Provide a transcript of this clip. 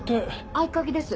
合鍵です。